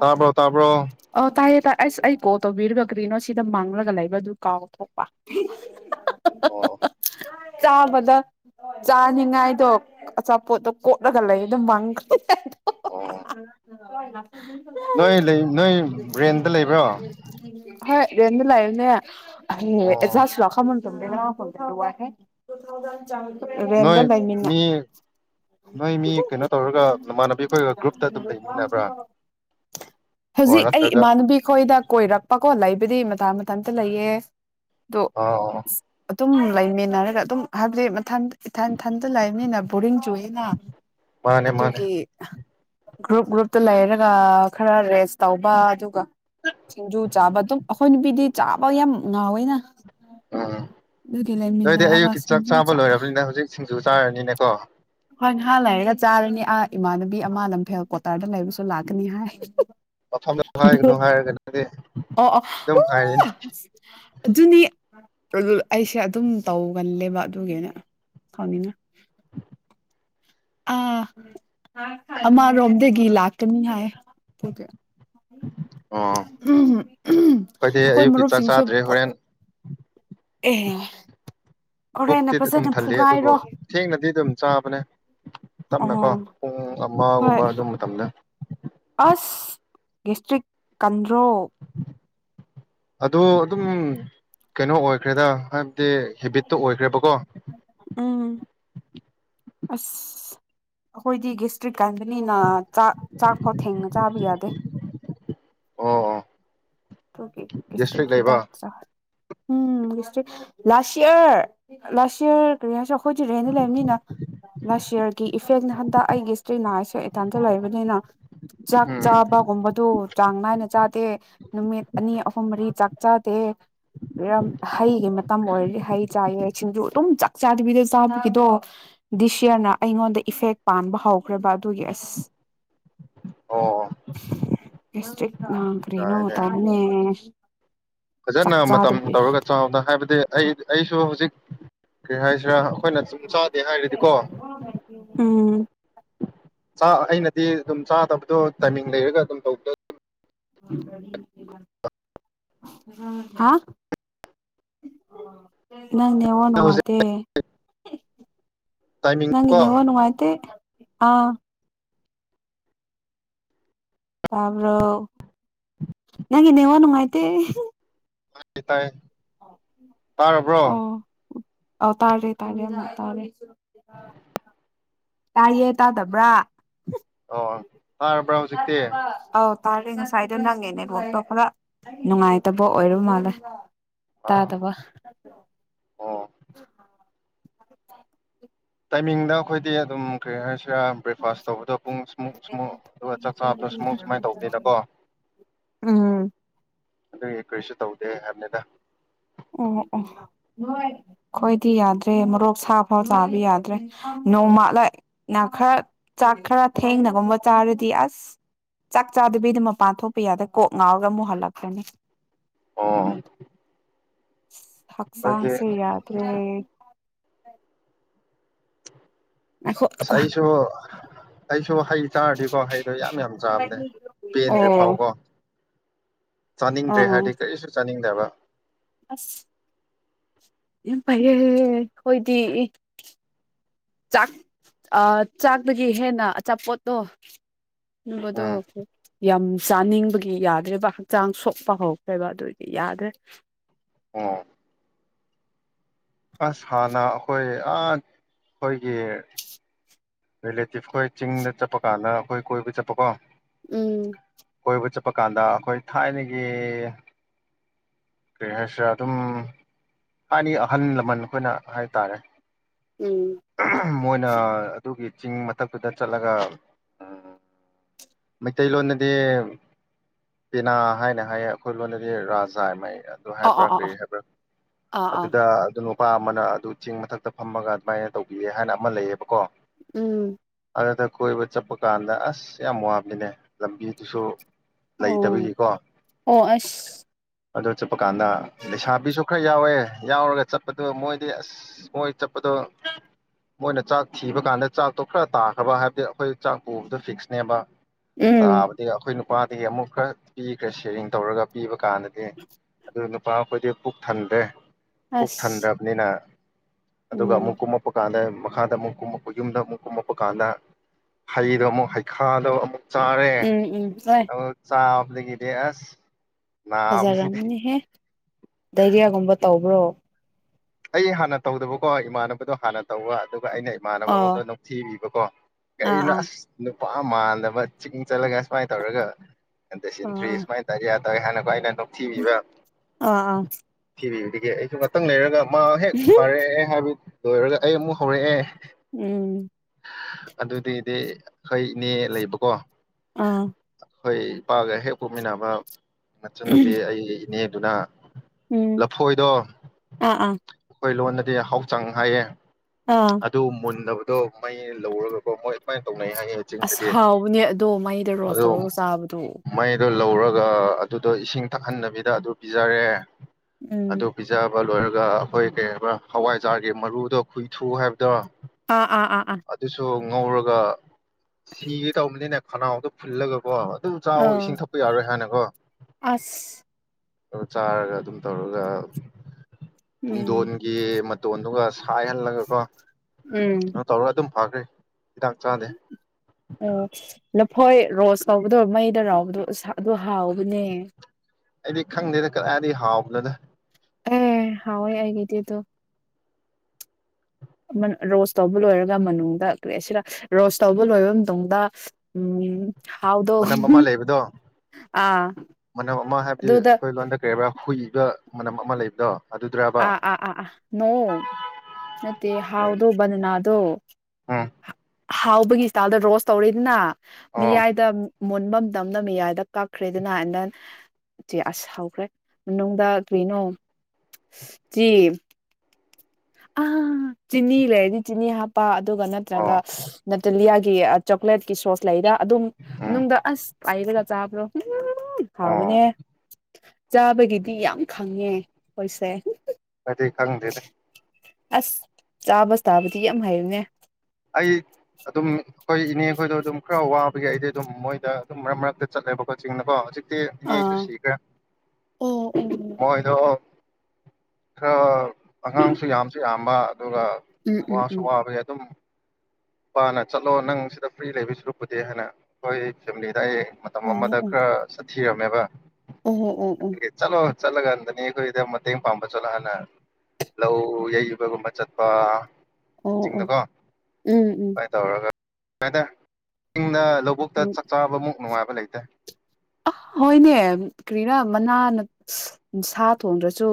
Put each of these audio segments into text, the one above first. ꯇꯥꯕ꯭ꯔꯣ ꯇꯥꯕ꯭ꯔꯣ ꯑꯣ ꯇꯥꯏꯌꯦ ꯇ ꯑꯁ ꯑꯩ ꯀꯣꯜ ꯇꯧꯕꯤꯔꯤꯕ ꯀꯔꯤꯅꯣ ꯁꯤꯗ ꯃꯥꯡꯂꯒ ꯂꯩꯕꯗꯨ ꯀꯥꯎꯊꯣꯛꯄ ꯑꯣ [inaudible] ꯆꯥꯕꯗ ꯆꯥꯅꯤꯉꯥꯏꯗꯣ ꯑꯆꯥꯄꯣꯠꯇꯣ ꯀꯣꯠꯂꯒ ꯂꯩ ꯑꯗꯨꯝ ꯃꯥꯡꯈ꯭ꯔꯦ [inaudible] ꯑꯣ ꯍꯣꯏꯅ ꯅꯣꯏ ꯂꯩ ꯅꯣꯏ ꯕ꯭ꯔꯦꯟꯗ ꯂꯩꯕ꯭ꯔꯣ ꯏꯟ ꯂꯏꯅ ꯎ ꯑꯣ ꯆꯁꯨ ꯂ ꯈꯃ ꯐꯔꯨ ꯅꯣꯏ ꯃꯤ ꯅꯣꯏ ꯃꯤ ꯀꯩꯅꯣ ꯇꯧꯔꯒ ꯅꯃꯥꯟꯅꯕꯤ ꯑꯩꯈꯣꯏꯒ ꯒ꯭ꯔꯨꯞꯇ ꯑꯗꯨꯝ ꯂꯩ ꯑꯣ ꯍꯧꯖꯤꯛ ꯑꯩ ꯅꯠꯇ꯭ꯔꯒ ꯏꯃꯥꯟꯅꯕꯤ ꯈꯣꯏꯗ ꯀꯣꯏꯔꯛꯄꯀꯣ ꯂꯩ ꯗꯤ ꯃꯇꯥꯡ ꯃꯇ ꯑꯇ ꯂꯩꯌꯦ ꯑꯣ ꯑꯗꯨꯝ ꯂꯩꯃꯤꯟꯅꯔꯒ ꯑꯗꯨꯝ ꯍꯥꯏꯕꯗꯤ ꯃꯊꯟ ꯏꯊꯟꯊꯟꯗ ꯂꯩꯥꯛꯕꯅꯤꯅ ꯕꯣꯔꯤꯡ ꯆꯨꯏꯅ ꯃꯥꯅꯦ ꯃꯥꯅꯦ ꯑꯗꯨꯒꯤ ꯒ꯭ꯔꯨꯞ ꯒ꯭ꯔꯨꯞꯇ ꯂꯩꯔꯒ ꯈꯔ ꯔꯦꯁ ꯇꯧꯕ ꯑꯗꯨꯒ ꯁꯤꯡꯖꯨ ꯆꯥꯕ ꯑꯗꯨꯝ ꯑꯩꯈꯣꯏ ꯅꯨꯄꯤꯗꯤ ꯆꯥꯕ ꯌꯥꯝ ꯉꯥꯎꯋꯦꯅ ꯎꯝ ꯑꯗꯨ ꯑꯗꯨꯒꯤ ꯑꯣꯏꯗꯤ ꯂꯩꯃꯤꯟꯅꯔꯒ ꯑꯌꯨꯛꯀꯤ ꯆꯥꯛ ꯁꯤꯡꯖꯨ ꯆꯥꯕ ꯂꯣꯏꯔꯕꯅꯤꯅ ꯍꯧꯖꯤꯛ ꯁꯤꯡꯖꯨ ꯆꯥꯔꯅꯤꯅꯦꯀꯣ ꯍꯣꯏ ꯅꯍꯥꯟ ꯂꯩꯔꯒ ꯆꯥꯔꯅꯤ ꯑꯥ ꯏꯃꯥꯟꯅꯕꯤ ꯑꯃ ꯂꯝꯐꯦꯜ ꯀꯇꯥꯥꯗ ꯂꯩ ꯄꯁ ꯂꯥꯛꯅꯤ ꯍꯥꯏꯥꯏ ꯃꯐꯝꯗ ꯍꯥꯏꯒꯅꯣ ꯍꯥꯏꯔꯒꯅꯗꯤ ꯑꯣ ꯑꯣ ꯑꯗꯨꯝ ꯎ ꯍꯥꯏꯔꯤꯅꯤ ꯑꯗꯨꯅꯤ ꯑꯩꯁꯦ ꯑꯗꯨꯝ ꯇꯧꯒꯜꯂꯦꯕ ꯑꯗꯨꯒꯤꯅ ꯀꯥꯎꯅꯤꯡꯉ ꯑꯥ ꯑꯃꯔꯣꯝꯗꯒꯤ ꯂꯥꯛꯀꯅꯤ ꯍꯥꯏ ꯎ ꯑꯣ ꯑꯩꯈꯣꯏꯗꯤ ꯑꯩꯈꯣꯏ ꯑꯌꯨꯛꯀꯤ ꯆꯥꯛ ꯃꯔꯨꯞꯁꯤꯡꯁꯨ ꯆꯥꯗ꯭ꯔꯦ ꯄꯨꯟ ꯍꯣꯔꯦꯟ ꯑꯦ ꯄꯨꯕꯨꯛꯇꯤꯗꯤ ꯑꯗꯨꯝ ꯊꯜꯂꯤ ꯑꯗꯨꯕꯨ ꯊꯦꯡꯅꯗꯤ ꯑꯗꯨꯝ ꯆꯥꯕꯅꯦ ꯑꯣ ꯇꯝꯅꯀꯣ ꯎ ꯍꯣꯏ ꯃꯒꯨꯝꯕ ꯑꯗꯨꯝꯕ ꯃꯇꯝꯗ ꯑꯁ ꯗꯤꯁꯇ꯭ꯔꯤꯛ ꯀꯟꯗ꯭ꯔꯣ ꯑꯗꯣ ꯑꯗꯨꯝ ꯀꯩꯅꯣ ꯑꯣꯏꯈ꯭ꯔꯦꯗ ꯗꯦ ꯍꯦꯕꯤꯠꯇ ꯑꯣꯏꯈ꯭ꯔꯦꯕꯀꯣ ꯎꯝ ꯑꯁ ꯑꯩꯈꯣꯏꯗꯤ ꯒꯁꯇ꯭ꯔꯤꯛ ꯀ ꯀꯥꯟꯗꯅꯤꯅ ꯆꯥꯛ ꯆꯥꯛꯐꯥꯎ ꯊꯦꯡꯅ ꯆꯥꯕ ꯌꯥꯗꯦ ꯑ ꯑ ꯇꯒꯤ ꯀꯁꯁꯤ ꯗꯥꯛ ꯆ ꯎꯝꯁꯇꯔꯤ ꯂꯥꯆꯔ ꯂꯥꯆꯔ ꯀꯔꯤ ꯑꯩꯈꯣꯏꯁꯨ ꯔꯦꯅ ꯂꯩꯕꯅꯤꯅ ꯂꯥꯁ ꯌꯌꯥꯔꯒꯤ ꯏꯐꯦꯛ ꯍꯟꯗꯛ ꯑꯩꯒꯤ ꯏꯁꯇ꯭ꯔꯤ ꯅꯍꯁꯨ ꯏꯇꯟꯇ ꯂꯩꯕꯅꯤꯅ ꯆꯥꯛ ꯎꯝ ꯆꯥꯕꯒꯨꯝꯕꯗꯨ ꯆꯥꯡ ꯅꯥꯏꯅ ꯆꯥꯗꯦ ꯅꯨꯃꯤꯠ ꯑꯅꯤ ꯑꯍꯨꯝ ꯃꯔꯤ ꯆꯥꯛ ꯆꯥꯗꯦ ꯌꯥꯝ ꯍꯩꯈꯤꯕ ꯃꯇꯝ ꯑꯣꯏꯔꯗꯤ ꯍꯩ ꯆꯥꯍ ꯁꯤꯡꯖꯨ ꯑꯗꯨꯝ ꯆꯥꯛ ꯆꯥꯗꯕꯤꯗ ꯆꯥꯕꯒꯤꯗꯣ ꯗꯤꯁ ꯌꯔꯅ ꯑꯩꯉꯣꯟꯗ ꯏꯐꯦꯛ ꯄꯥꯟꯕ ꯍꯧꯈ꯭ꯔꯦꯕ ꯑꯗꯨꯒꯤ ꯑꯁ ꯑꯣ ꯑꯣ ꯏꯁꯁ ꯅ ꯀ꯭ꯔꯦꯅꯣ ꯌꯥꯏꯅꯦ ꯇꯅꯦ ꯐꯖꯅ ꯃꯇꯝ ꯇꯧꯔꯒ ꯆꯥꯎꯅ ꯍꯥꯏꯕꯗꯤ ꯑꯩ ꯑꯩꯁꯨ ꯍꯧꯖꯤꯛ ꯀꯩ ꯍꯥꯏꯁꯤꯔꯥ ꯑꯩꯈꯣꯏꯅ ꯁꯨꯝ ꯆꯥꯗꯦ ꯍꯥꯏꯔꯗꯤꯀꯣ ꯎꯝ ꯑꯩꯅꯗꯤ ꯑꯗꯨꯝ ꯆꯥꯗꯕꯗꯣ ꯇꯥꯏꯃꯤꯡ ꯂꯩꯔꯒ ꯑꯗꯨꯝ ꯇꯧꯕꯗ ꯍꯥ ꯅꯪꯅꯦꯉꯣ ꯍꯧꯖꯤꯛ ꯅꯨꯡꯉꯥꯏꯇꯦ ꯇꯥꯏꯃꯤꯡ ꯅꯪ ꯀꯣ ꯏꯅꯦꯦ ꯋꯥ ꯅꯨꯡꯉꯥꯏꯇꯦ ꯑꯥ ꯇꯥꯕ꯭ꯔꯣ ꯅꯪ ꯏꯅꯦ ꯋꯥꯅ ꯃꯥꯥꯏꯇ ꯇꯥꯏ ꯇꯥꯔꯕ꯭ꯔꯣ ꯑ ꯇꯥꯔꯦ ꯇꯥꯔꯦ ꯇꯥꯔꯦ ꯑ ꯇꯥꯏꯌꯦ ꯇꯥꯗꯕ꯭ꯔꯥ ꯑ ꯇꯥꯔꯕ꯭ꯔꯥ ꯍꯧꯖꯤꯛꯇꯤ ꯇꯥꯗꯤ ꯉꯁꯥꯏꯗꯣ ꯅꯪꯉꯦꯅꯦꯕꯣꯛꯇꯣ ꯈꯔ ꯅꯨꯡꯉꯥꯏꯇꯕ ꯑꯣꯏꯔꯨ ꯃꯥꯜꯂꯦ ꯑꯥ ꯇꯥꯗꯕ ꯑꯣ ꯇꯥꯏꯃꯤꯡꯗ ꯑꯩꯈꯣꯏꯗꯤ ꯑꯗꯨꯝ ꯀꯩ ꯍꯥꯏꯁꯦ ꯁꯤꯔ ꯕ꯭ꯔꯦꯛꯐꯥꯁ ꯇꯧꯕꯗꯣ ꯄꯨꯡ ꯏꯁꯃꯨꯛ ꯏꯁꯃꯨ ꯑꯗꯨꯒ ꯆꯥꯛ ꯆꯥꯕꯗꯣ ꯁꯃꯨꯛ ꯁꯨꯃꯥꯏꯅ ꯇꯧꯕꯅꯤꯅꯀꯣ ꯎꯝ ꯑꯗꯨꯒꯤ ꯀꯔꯤꯁꯨ ꯇꯧꯗꯦ ꯍꯥꯏꯕꯅꯤꯗ ꯑꯣ ꯑꯣ ꯈꯣꯏꯗꯤ ꯌꯥꯗ꯭ꯔꯦ ꯃꯣꯔꯣꯛ ꯁꯥꯐꯥꯎ ꯆꯥꯕ ꯌꯥꯗ꯭ꯔꯦ ꯅꯣꯡꯃꯂꯅ ꯈꯔ ꯆꯥꯛ ꯈꯔ ꯊꯦꯡꯅꯒꯨꯝꯕ ꯆꯥꯔꯗꯤ ꯑꯁ ꯆꯥꯛ ꯆꯥꯗꯕꯤꯗ ꯃꯄꯥꯟ ꯊꯣꯛꯄ ꯌꯥꯗ꯭ꯔꯦ ꯀꯣꯛ ꯉꯥꯎꯔꯒ ꯃꯨꯛꯍꯜꯂꯛꯄꯅꯤ ꯑꯣ ꯍꯥꯏꯗꯤ ꯍꯛꯁꯥꯡꯁ ꯌꯥꯗꯦ ꯐ [inaudible] ꯑꯁ ꯑꯩꯁꯨ ꯑꯩꯁꯨ ꯍꯩ ꯆꯥꯔꯗꯤꯀꯣ ꯍꯩꯗꯣ ꯌꯥꯝ ꯌꯥꯝ ꯆꯥꯕꯅꯦ ꯄꯦꯟꯗ꯭ꯔꯤ ꯑꯣ ꯐꯥꯎꯀꯣ ꯑ ꯆꯥꯅꯤꯡꯗ꯭ꯔꯦ ꯍꯥꯏꯗꯤ ꯀꯔꯤꯁꯨ ꯆꯥꯅꯤꯡꯗ꯭ꯔꯦ ꯇꯕ ꯑꯁ ꯄꯥꯏꯌꯦ ꯍꯣꯏꯗꯤ ꯆꯥꯛ ꯆꯥꯛꯇꯗꯒꯤ ꯍꯦꯟꯅ ꯑꯆꯥꯄꯣꯠꯇꯣ ꯕꯗ ꯎꯝ ꯌꯥꯝ ꯆꯥꯅꯤꯡꯕꯒꯤ ꯌꯥꯗ꯭ꯔꯦꯕ ꯍꯛꯆꯥꯡ ꯁꯣꯛꯄ ꯍꯧꯔꯛꯇ꯭ꯔꯦꯕ ꯑꯗꯨ ꯑꯣꯏꯗꯤ ꯌꯥꯗ꯭ꯔꯦ ꯑ ꯑꯁ ꯍꯥꯟꯅ ꯑꯩꯈꯣꯏ ꯑ ꯑꯩꯈꯣꯏꯒꯤ ꯔꯤꯂꯦꯇꯤꯚ ꯑꯩꯈꯣꯏ ꯆꯤꯡꯗ ꯆꯠꯄ ꯀꯥꯟꯗ ꯑꯩꯈꯣꯏ ꯀꯣꯏꯕ ꯆꯠꯄꯀꯣ ꯎꯝ ꯆꯄ ꯀꯥꯟꯗ ꯑꯩꯈꯣꯏ ꯊꯥꯏꯅꯒꯤ ꯀꯔꯤ ꯍꯥꯏꯁꯤꯔ ꯑꯗꯨꯝ ꯍꯥꯏꯅꯤ ꯑꯍꯜ ꯂꯃꯟ ꯑꯩꯈꯣꯏꯅ ꯍꯥꯏꯇꯥꯔꯦ ꯎꯝ ꯃꯣꯏꯅ ꯑꯗꯨꯒꯤ ꯆꯤꯡ ꯃꯊꯛꯇꯨꯗ ꯆꯠꯂꯒ ꯃꯩꯇꯩꯂꯣꯟꯗꯗꯤ ꯄꯦꯅꯥ ꯍꯥꯏꯅ ꯍꯥꯏꯌꯦ ꯑꯩꯈꯣꯏ ꯂꯣꯟꯗꯗꯤ ꯔꯥꯖꯥ ꯍꯥꯏ ꯃ ꯑꯗꯨ ꯑ ꯑꯥ ꯍꯥꯏꯕ꯭ꯔꯥ ꯑꯥ ꯑꯥ ꯀꯔꯤ ꯍꯥꯏꯕ꯭ꯔꯥ ꯑꯥ ꯑꯥ ꯑꯗꯨꯗ ꯑꯗꯨꯅ ꯅꯨꯄꯥ ꯑꯃꯅ ꯑꯗꯨ ꯆꯦꯡ ꯃꯊꯛꯇ ꯐꯝꯃꯒ ꯑꯗꯨꯃꯥꯏꯅ ꯇꯧꯕꯤꯌꯦ ꯍꯥꯏꯅ ꯑꯃ ꯂꯩꯌꯦꯕꯀꯣ ꯎꯝ ꯈꯗ ꯀꯣꯏꯕ ꯆꯠꯄ ꯀꯥꯟꯗ ꯑꯁ ꯌꯥꯝ ꯋꯥꯃꯤꯅꯦ ꯂꯝꯕꯤꯗꯨꯁꯨ ꯑꯣ ꯂꯩꯇꯕꯒꯤꯀꯣ ꯑꯣ ꯑꯁ ꯑꯗ ꯆꯠꯄ ꯀꯥꯟꯗ ꯂꯩꯁꯥꯕꯤꯁꯨ ꯈꯔ ꯌꯥꯎꯋꯦ ꯌꯥꯎꯔꯒ ꯆꯠꯄꯗꯣ ꯃꯣꯏꯗꯤ ꯑꯁ ꯃꯣꯏ ꯆꯠꯄꯗꯣ ꯃꯣꯏꯅ ꯆꯥꯛ ꯊꯤꯕ ꯀꯥꯟꯗ ꯆꯥꯛꯇꯣ ꯈꯔ ꯇꯥꯈ꯭ꯔꯕ ꯍꯥꯏꯕꯗꯤ ꯑꯩꯈꯣꯏ ꯆꯥꯛ ꯄꯨꯕꯗꯣ ꯐꯤꯛꯁꯅꯦꯕ ꯎꯝ ꯇꯥꯕꯗꯤ ꯑꯩꯈꯣꯏꯅ ꯅꯨꯄꯥꯗꯒꯤ ꯑꯃꯨꯛ ꯈꯔ ꯄꯤꯈ꯭ꯔꯦ ꯁꯦꯔꯤꯡ ꯇꯧꯔꯒ ꯄꯤꯕ ꯀꯅꯗꯦ ꯅꯨꯄꯥ ꯑꯩꯈꯣꯏꯗꯤ ꯄꯨꯛ ꯊꯟꯗꯦ ꯄꯨꯛ ꯑꯁ ꯊꯟꯗ꯭ꯔꯕꯅꯤꯅ ꯑꯗꯨꯒ ꯑꯃꯨꯛ ꯎꯝ ꯀꯨꯝꯃꯛꯞꯄ ꯀꯥꯟꯗ ꯃꯈꯥꯗ ꯑꯃꯨꯛ ꯀꯨꯝꯃꯛꯄ ꯌꯨꯝꯗ ꯑꯃꯨꯛ ꯀꯨꯝꯃꯛꯄ ꯀꯥꯟꯗ ꯍꯩꯗꯣ ꯑꯃꯨꯛ ꯍꯩꯈꯥꯗꯣ ꯑꯃꯨꯛ ꯆꯔꯦ ꯎꯝ ꯎꯝ ꯍꯣꯏ ꯂꯩꯗꯦ ꯑꯁ ꯅꯥꯕꯁꯤ ꯐꯖꯥꯔꯝꯑꯃꯅꯤ ꯍꯦ ꯗꯥꯏꯔꯤꯌꯥꯒꯨꯝꯕ ꯇꯧꯕ꯭ꯔꯣ ꯑꯩ ꯍꯥꯟꯅ ꯇꯧꯗꯕꯀꯣ ꯏꯃꯥꯟꯅꯕꯗꯣ ꯍꯥꯟꯅ ꯇꯧꯕ ꯑꯗꯨ ꯑꯗꯨꯒ ꯑꯩꯅ ꯏꯃꯥꯟꯅꯕ ꯑꯣ ꯃꯉꯣꯟꯗ ꯅꯨꯡꯊꯤꯕꯤꯕꯀꯣ ꯑꯥ ꯀꯅꯣ ꯑꯥ ꯑꯁ ꯅꯨꯄꯥ ꯃꯥꯟꯗꯕ ꯆꯤꯡ ꯆꯠꯂꯒ ꯁꯨꯃꯥꯏꯅ ꯇꯧꯔꯒ ꯔꯤ ꯑꯥ ꯏꯁꯃꯥꯏꯔ ꯍꯦꯅ ꯑꯥ ꯑꯥ ꯑꯥ ꯀꯥꯏꯅꯦ [unintelligible] ꯑꯦ ꯑꯩꯁꯨ ꯉꯥꯛꯇꯪ ꯂꯩꯔꯒ ꯃꯥ ꯍꯦꯛ ꯐꯔꯦ ꯑꯦ ꯍꯕꯤ ꯂꯣꯏꯔꯒ ꯑꯩ ꯑꯃꯨꯛ ꯍꯧꯔꯛꯑꯦ ꯎꯝ ꯑꯗꯨꯗꯤꯗꯤ ꯍꯣꯏꯅꯦ ꯂꯩꯕꯀꯣ ꯑꯥ ꯑꯩꯈꯣꯏ ꯏꯄꯥꯒ ꯍꯦꯛ ꯄꫭꯛꯃꯤꯟꯅꯕ ꯃꯆꯟꯅ ꯅꯨꯄꯤ ꯑꯩ ꯏꯅꯗꯨꯅ ꯎꯝ ꯂꯐꯣꯏꯗꯣ ꯑꯥ ꯑꯥ ꯑꯩꯈꯣꯏ ꯂꯣꯟꯗ ꯗꯤ ꯍꯥꯎꯆꯥꯡ ꯍꯥꯏꯌꯦ ꯑꯥ ꯑꯗ ꯃꯟꯅ ꯑꯗꯨ ꯃꯩ ꯂꯧꯔꯒꯀꯣ ꯃꯣꯏ ꯀꯃꯅ ꯇꯧꯕ ꯑꯁ ꯍꯥꯎꯕꯅꯦ ꯑꯗꯣ ꯃꯥꯏꯗ ꯔꯣꯁ ꯑꯗꯣ ꯇꯧꯔꯒ ꯆꯥꯕꯗꯣ ꯃꯩꯗꯣ ꯂꯧꯔꯒ ꯑꯗꯨꯗꯣ ꯏꯁꯤꯡ ꯊꯛꯍꯟꯗꯕꯤꯗ ꯑꯗꯨ ꯄꯤꯖꯔꯦ ꯑꯗꯨꯗꯣ ꯎꯝ ꯄꯤꯖꯥ ꯑꯗꯨꯒ ꯂꯣꯏꯔꯒ ꯑꯩꯈꯣꯏ ꯀꯩ ꯍꯋꯥꯏꯖꯥꯔꯒꯤ ꯃꯔꯨꯗꯣ ꯈꯨꯏꯊꯨ ꯍꯥꯏꯕꯗꯣ ꯑ ꯑꯥ ꯑꯥ ꯑꯥ ꯑꯗꯨꯁꯨ ꯉꯧꯔꯒ ꯁꯤꯒꯦ ꯇꯧꯕꯅꯤꯅꯦ ꯈꯅꯥꯎꯗꯣ ꯐꯨꯜꯂꯒꯀꯣ ꯑꯗꯨ ꯆꯥꯎꯥꯛ ꯑꯥ ꯏꯁꯤꯡ ꯊꯛꯄ ꯌꯥꯔꯣꯏ ꯍꯥꯟꯅꯀꯣ ꯑꯁ ꯑꯗꯨ ꯆꯥꯔꯒ ꯑꯗꯨꯝ ꯇꯧꯔꯒ ꯎꯝ ꯇꯨꯡꯗꯣꯟꯒꯤ ꯃꯇꯣꯟꯗꯨꯒ ꯁꯥꯏꯍꯜꯂꯒꯀꯣ ꯑꯗꯨꯝ ꯐꯥꯈ꯭ꯔꯦ ꯑ ꯂꯐꯣꯏ ꯔꯣꯁ ꯀꯧꯕꯗꯣ ꯃꯩꯗ ꯔꯥꯎꯕꯗꯣꯁ ꯑꯣ ꯍꯥꯎꯕꯅꯦ ꯑꯩꯗꯤ ꯈꯪꯗꯦꯗ ꯀꯗꯥꯏꯗꯤ ꯍꯥꯎꯕꯅꯣꯗ ꯑꯦ ꯍꯥꯎꯏ ꯍꯥꯏꯒꯦꯗꯤ ꯔꯣꯁ ꯇꯧꯕ ꯂꯣꯏꯔꯒ ꯃꯅꯨꯡꯗ ꯀ ꯁꯤꯔ ꯔꯣꯁ ꯇꯧꯕ ꯂꯣꯏꯔꯕ ꯃꯇꯨꯡꯗ ꯎ ꯃꯅꯝ ꯑꯃ ꯂꯩꯕꯗꯣ ꯑꯥ ꯃꯅꯝ ꯑꯃ ꯍꯥꯏꯕꯗꯤ ꯑꯗꯨꯗ ꯑꯩꯈꯣꯏ ꯂꯣꯟꯗ ꯀꯔꯤꯔꯤꯕ꯭ꯔꯥ ꯍꯨꯏ ꯑꯗꯨ ꯗ ꯃꯅꯝ ꯑꯃ ꯂꯩꯕꯗꯣ ꯑꯗꯨꯗ꯭ꯔꯕ ꯑꯥ ꯑꯥ ꯑꯥ ꯑ ꯅꯣ ꯃꯠꯇꯦ ꯍꯥꯎꯗꯣ ꯟꯅꯥꯗꯣ ꯎꯝ ꯍꯥꯎꯕꯒꯤ ꯏꯁꯇꯥꯏꯜꯗ ꯔꯣꯁ ꯇꯧꯔꯦꯅꯤꯅ ꯎꯝ ꯑꯣ ꯃꯤꯌꯥꯏꯗ ꯃꯨꯟꯕ ꯃꯇꯝꯅ ꯃꯦꯌꯥꯏꯗ ꯀꯛꯈ꯭ꯔꯦꯗꯅ ꯑꯦꯟ ꯗꯟ ꯆꯦ ꯑꯁ ꯍꯧꯈ꯭ꯔꯦ ꯃꯅꯨꯡꯗ ꯀꯩꯅꯣ [unintelligible] ꯑ ꯆꯤꯅꯤ ꯂꯩꯔꯗꯤ ꯆꯤꯅꯤ ꯍꯥꯞꯄ ꯑꯗꯨꯒ ꯅꯠꯇ꯭ꯔꯒ ꯑꯣ ꯅꯠꯇ꯭ꯔꯒꯤ ꯒꯤ ꯆꯣꯀ꯭ꯂꯦꯠꯀꯤ ꯁꯣꯁ ꯂꯩꯔ ꯑꯗꯨꯝ ꯎꯝ ꯅꯨꯡꯗ ꯑꯁ ꯄꯥꯏꯔꯒ ꯆꯕ꯭ꯔꯣ ꯎ ꯑꯣ ꯍꯥꯎꯕꯅꯦ ꯆꯥꯕꯒꯤꯗꯤ ꯌꯥꯝ ꯈꯪꯉꯦ ꯑꯩꯈꯣꯏꯁꯦ ꯀꯗꯤ ꯈꯪꯗꯦꯗ ꯑꯁ ꯆꯥꯕ ꯇꯥꯕꯗꯤ ꯌꯥꯝ ꯍꯩꯔꯨꯅꯦ ꯑꯩ ꯑꯗꯨꯝ ꯑꯩꯈꯣꯏ ꯏꯅꯦ ꯈꯈꯣꯏꯗꯣ ꯑꯗꯨꯝ ꯈꯔ ꯋꯥꯕꯒꯤ ꯑꯩꯗꯤ ꯑꯗꯨꯝ ꯃꯣꯏꯗ ꯑꯗꯨꯝ ꯃꯔꯛ ꯃꯔꯛꯇ ꯆꯠꯂꯦꯕꯀꯣ ꯆꯤꯡꯅꯀꯣ ꯍꯧꯖꯤꯛ ꯦ ꯏꯅꯦ ꯑꯩꯁꯨ ꯑꯥ ꯁꯤꯈ꯭ꯔꯦ ꯑꯣ ꯑꯣ ꯃꯣꯏꯗꯣ ꯑ ꯑꯉꯥꯡꯁꯨ ꯌꯥꯝꯁꯨ ꯌꯥꯝ [inaudible] ꯑꯗꯨꯒ ꯎꯝ ꯎꯝ ꯋꯥꯁꯨ ꯎꯝ ꯋꯥꯕꯒꯤ ꯑꯗꯨꯝ ꯄꯅ ꯆꯠꯂꯣ ꯅꯪ ꯁꯤꯗ ꯐ꯭ꯔꯤ ꯂꯩꯕꯕꯁꯤ ꯂꯨ ꯄꯨꯨꯗꯦ ꯍꯥꯏꯅ ꯑꯩꯈꯣꯏ ꯐꯦꯃꯤꯂꯤꯗ ꯑꯩ ꯃ ꯃꯃꯗꯈ꯭ꯔ ꯁ ꯊꯤꯔꯝꯃꯦꯕ ꯎꯝ ꯎꯝ ꯎꯝ ꯎꯝ ꯆꯠꯂꯀꯥꯟꯗꯅꯤ ꯑꯩꯈꯣꯏꯗ ꯃꯇꯦꯡ ꯄꯥꯡꯕ ꯆꯣꯠꯂ ꯍꯥꯟꯅ ꯂꯧ ꯌꯩ ꯌꯨꯕꯒꯨꯝꯕ ꯆꯠꯄ ꯑꯣ ꯑꯣ ꯎꯝ ꯎꯝ ꯍꯥꯏꯥꯏ ꯇ ꯑꯣꯔꯒ ꯑ ꯂꯧꯕꯨꯛꯇ ꯎꯝ ꯆꯥꯛ ꯆꯥꯕꯃꯨꯛ ꯅꯨꯡꯉꯥꯏꯕ ꯂꯩꯇ ꯑ ꯍꯣꯏꯅꯦ ꯀꯔꯤꯅ ꯃꯅꯥꯅ ꯁꯥ ꯊꯣꯡꯗ꯭ꯔꯁꯨ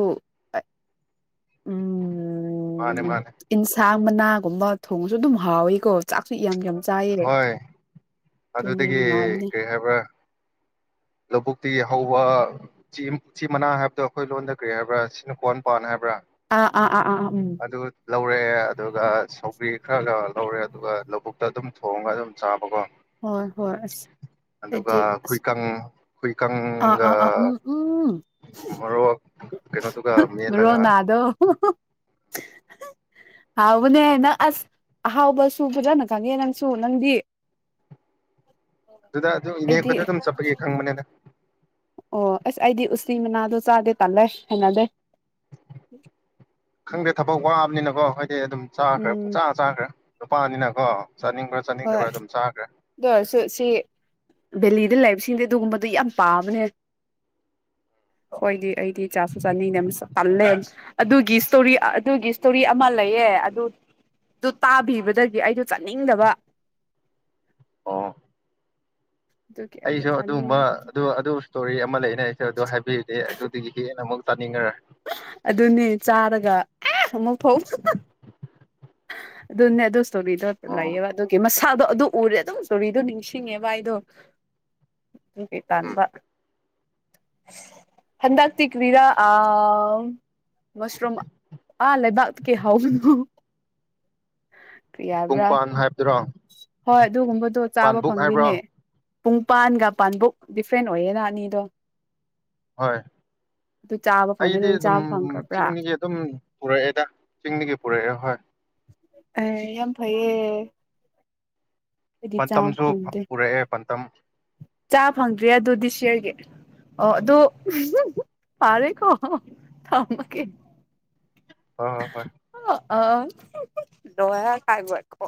ꯃꯥꯅꯦ ꯎꯝ ꯃꯥꯅꯦ ꯏꯟꯁꯥꯐ ꯃꯅꯥꯒꯨꯝꯕ ꯊꯣꯡꯉꯁꯨ ꯑꯗꯨꯝ ꯍꯥꯎꯋꯀꯣ ꯆꯥꯛꯁꯨ ꯌꯥꯝ ꯆꯥꯏꯌꯦ ꯍꯣꯏ ꯑꯗꯨꯅꯦ ꯑꯗꯨꯗꯒꯤ ꯅꯨꯡꯉꯥꯏꯕꯅꯦ ꯀꯔꯤ ꯍꯥꯏꯕ꯭ꯔꯥ ꯂꯧꯕꯨꯛꯇꯤ ꯍꯧꯕ ꯆꯤ ꯃꯅꯥ ꯍꯥꯏꯕꯗꯣ ꯑꯩꯈꯣꯏ ꯂꯣꯟꯗ ꯀꯔꯤ ꯍꯥꯏꯕ꯭ꯔꯥ ꯁꯤꯅꯨꯀ꯭ꯋꯥꯣꯟ ꯄꯥꯟ ꯍꯥꯏꯕ꯭ꯔꯥ ꯑꯥ ꯑꯥ ꯑꯥ ꯑꯥ ꯑꯥ ꯎꯝ ꯑꯗꯨ ꯂꯧꯔꯑꯦ ꯑꯗꯨꯒ ꯄꯨꯒ꯭ꯔꯤ ꯈꯔ ꯂꯧꯔꯦ ꯑꯗꯨꯒ ꯂꯧꯕꯨꯛꯇ ꯑꯗꯨꯝ ꯊꯣꯡꯉꯒ ꯑꯗꯨꯝ ꯆꯥꯕꯀꯣ ꯍꯣꯏ ꯑꯗꯨꯒ ꯍꯣꯏꯁꯗꯤ ꯈꯨꯏꯀꯪ ꯑꯥ ꯈꯨꯏꯀꯪꯒ ꯑꯥ ꯑꯥ ꯎꯝ ꯎꯝ ꯃꯣꯔꯣꯛ ꯀꯩꯅꯣꯗꯨꯒ ꯃꯦꯠꯂꯒ ꯔꯣꯅꯥꯜꯗꯣ ꯍꯥꯎꯕꯅꯦ ꯅꯪ ꯑꯁ ꯑꯍꯥꯎꯕꯁꯨ ꯐꯖꯅ ꯈꯪꯉꯦ ꯅꯪꯁꯨ ꯅꯪꯗꯤ ꯑꯗꯨꯗ ꯑꯗꯨꯝ ꯏꯅꯦ ꯑꯩꯗꯤ ꯑꯩꯣꯏꯗ ꯑꯗꯨꯝ ꯆꯠꯄꯒꯤ ꯈꯪꯕꯅꯤꯅ ꯑꯣ ꯑꯁ ꯑꯩꯗꯤ ꯎꯇꯤ ꯃꯅꯥꯗꯣ ꯆꯥꯗꯦ ꯇꯜꯂꯦ ꯍꯦꯟꯅꯖꯦ ꯈꯪꯗ꯭ꯔꯦ ꯊꯕꯛ ꯋꯥꯕꯅꯤꯅ ꯑꯣ ꯍꯣꯏ ꯏ ꯑꯗꯨꯝ ꯆꯥꯈ꯭ꯔꯦ ꯎꯝ ꯆꯥ ꯆꯥꯈ꯭ꯔꯦ ꯅꯨꯄꯥꯅꯤꯅꯀꯣ ꯆꯥꯅꯤꯡꯕ꯭ꯔꯥ ꯍꯣꯏ ꯆꯥꯅꯤꯡꯗꯕ꯭ꯔꯥ ꯑꯗꯨꯝ ꯆꯥꯈ꯭ꯔꯦ ꯑꯗꯨ ꯑꯣꯏꯔꯁꯨ ꯁꯤ ꯕꯦꯜꯂꯤ ꯑꯗꯨꯜ ꯂꯩꯕꯁꯤꯡꯗꯤ ꯑꯗꯨꯒꯨꯝꯕꯗꯨ ꯌꯥꯝ ꯄꯥꯕꯅꯦ ꯍꯣꯏꯗꯤ ꯑꯩꯗꯤ ꯆꯥꯁꯨ ꯆꯥꯅꯤꯡꯗꯦ ꯄꯜꯂꯦ ꯑꯗꯨꯒꯤ ꯏꯁꯇꯣꯔꯤ ꯑꯗꯨꯒꯤ ꯏꯁꯇꯣꯔꯤ ꯑꯃ ꯂꯩꯑ ꯑꯗꯨ ꯑꯗꯨ ꯇꯥꯕꯤꯕꯗꯒꯤ ꯑꯩꯗꯣ ꯆꯥꯅꯤꯡꯗꯕ ꯑꯥ ꯑꯗꯨꯒꯤ ꯑꯩꯗꯣ ꯑꯩꯁꯨ ꯑꯗꯨꯒꯨꯝꯕ ꯑꯗꯨ ꯆꯥꯅꯤꯡꯗꯕꯅꯤꯗ ꯑꯗꯨ ꯏꯁꯇꯣꯔꯤ ꯑꯃ ꯂꯩꯅ ꯑꯩꯁꯨ ꯑꯗꯨ ꯍꯥꯏꯕꯤꯔꯤꯗꯤ ꯑꯗꯨꯗꯒꯤ ꯍꯦꯟꯅ ꯑꯃꯨꯛ ꯆꯥꯅꯤꯡꯉꯔꯦ ꯑꯗꯨꯅꯤ ꯆꯥꯔꯒ ꯑꯃꯨꯛ ꯐꯥꯎ ꯑꯗꯨꯣꯟꯅꯦ ꯑꯗꯨꯣ ꯗ ꯑꯣ ꯂꯥꯏꯌꯦꯕ ꯑꯗꯨ ꯒꯦꯃꯁ ꯏꯁꯗꯣ ꯑꯗꯨ ꯎꯔꯦ ꯑꯗꯨꯝ ꯖꯨꯔꯤꯗꯣ ꯅꯤꯡꯁꯤꯡꯉꯦ ꯚꯥꯏꯗꯣ ꯑꯗꯨꯒꯤ ꯎꯝ ꯇꯥꯟꯕ ꯍꯟꯗꯥꯛ ꯇ ꯀꯋꯔꯥ ꯑ ꯃꯁꯔꯨꯝꯝ ꯑꯥ ꯂꯩꯕꯥꯛ ꯀ ꯍꯥꯎ ꯄꯨꯡꯄꯥꯟ ꯍꯥꯏꯕꯗ꯭ꯔꯥ ꯍꯣꯏ ꯑꯗꯨꯒꯨꯝꯕ ꯑꯗꯣ ꯆꯥꯕ ꯐꯪꯗꯅꯦ ꯄꯨꯡꯄꯥꯟꯒ ꯄꯥꯟꯃꯨꯛ ꯗꯤꯐ꯭ꯔꯦꯟ ꯑꯣꯏꯌꯦꯅ ꯑꯅꯤꯗꯣ ꯍꯣꯏ ꯑꯗꯨ ꯆꯥꯕ ꯐꯪꯗꯦ ꯑꯩꯗꯤ ꯅꯪ ꯑꯗꯨꯝ ꯆꯥꯕ ꯐꯪꯈ꯭ꯔꯕ꯭ꯔꯥ ꯆꯤꯡꯗꯒꯤ ꯑꯗꯨꯝ ꯄꯨꯔꯛꯑꯦꯗ ꯆꯤꯡꯗꯒꯤ ꯄꯨꯔꯛꯑꯦ ꯍꯣꯏ ꯑꯦ ꯌꯥꯝ ꯐꯩꯌꯦ ꯑꯩꯗꯤ ꯆꯥꯕ ꯄꯥꯟꯇꯝꯁꯨ ꯎꯔꯛꯑꯦ ꯄꯥꯟꯇꯝ ꯆꯥ ꯐꯪꯗ꯭ꯔꯔꯤ ꯑꯗꯨ ꯗꯤꯁ ꯌꯌꯥꯔꯒꯤ ꯑꯣ ꯑꯗꯨ ꯐꯥꯔꯦꯀꯣ ꯊꯝꯃꯒꯦ ꯍ ꯍ ꯍꯣꯏ ꯑ ꯑ ꯂꯣꯏ ꯈꯥꯏꯕ ꯑꯩꯀꯣ